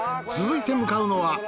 続いて向かうのは。